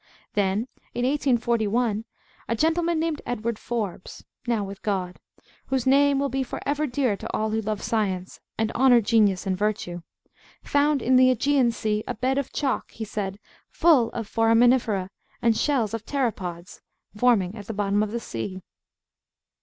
Then in 1841 a gentleman named Edward Forbes, now with God whose name will be for ever dear to all who love science, and honour genius and virtue, found in the AEgean Sea "a bed of chalk," he said, "full of Foraminifera, and shells of Pteropods," forming at the bottom of the sea.